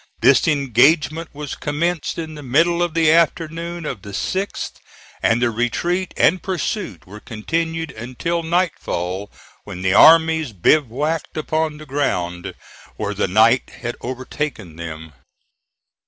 This engagement was commenced in the middle of the afternoon of the 6th, and the retreat and pursuit were continued until nightfall, when the armies bivouacked upon the ground where the night had overtaken them.